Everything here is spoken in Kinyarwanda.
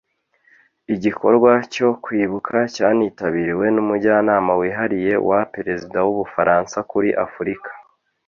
Igikorwa cyo kwibuka cyanitabiriwe n’Umujyanama wihariye wa Perezida w’u Bufaransa kuri Afurika